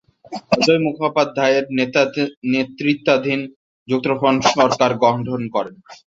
অজয় মুখোপাধ্যায়ের নেতৃত্বাধীন যুক্তফ্রন্ট সরকার গঠন করে।